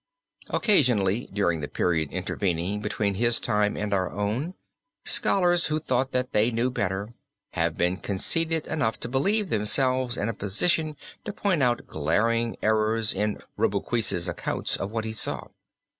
Occasionally during the period intervening between his time and our own, scholars who thought that they knew better, have been conceited enough to believe themselves in a position to point out glaring errors in Rubruquis' accounts of what he saw.